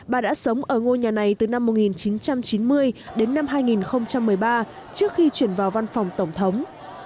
bà đã sống ở ngôi nhà này từ năm một nghìn chín trăm chín mươi đến năm hai nghìn một mươi ba trước khi chuyển vào văn phòng tổng thống